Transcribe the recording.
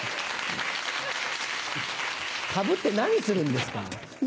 かぶって何するんですか？